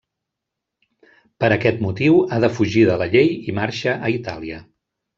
Per aquest motiu ha de fugir de la llei i marxa a Itàlia.